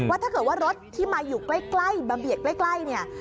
ถ้าเกิดว่ารถที่มาอยู่ใกล้มาเบียดใกล้เนี่ย